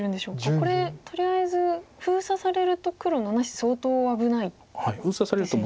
これとりあえず封鎖されると黒７子相当危ないですよね。